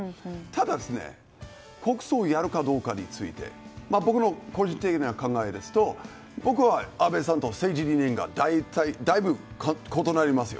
ただ国葬をやるかどうかについて僕の個人的な考えですと僕は安倍さんと政治理念がだいぶ異なります。